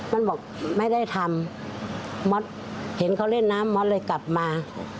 มันบอกไม่ได้ทำม็อตเห็นเขาเล่นน้ำม็อตเลยกลับมา